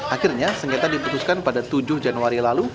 akhirnya sengketa diputuskan pada tujuh januari lalu